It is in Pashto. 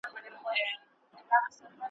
زه چي مي په تور وېښته زلمی در څخه تللی یم .